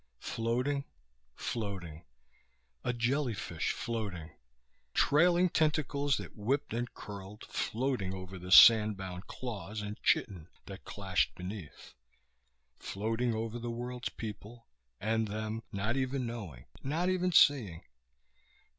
Floating. Floating; a jellyfish floating. Trailing tentacles that whipped and curled, floating over the sandbound claws and chitin that clashed beneath, floating over the world's people, and them not even knowing, not even seeing....